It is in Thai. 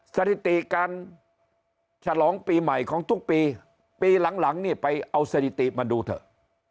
สถิติการฉลองปีใหม่ของทุกปีปีหลังนี่ไปเอาสถิติมาดูเถอะ